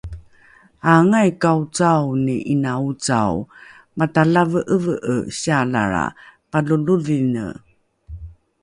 Aangai kaocaoni 'ina ocao, matalave'eve'e siyalalra palolodhine!